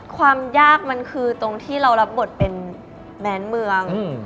ความยากมันคือตรงที่เรารับบทเป็นแม้นเมือง